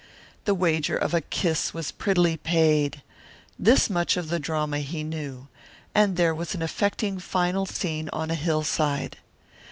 The wager of a kiss was prettily paid. This much of the drama he knew. And there was an affecting final scene on a hillside.